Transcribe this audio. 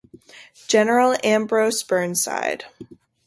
General Ambrose Burnside.